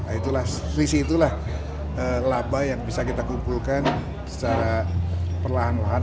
nah itu lah visi itu lah laba yang bisa kita kumpulkan secara perlahan lahan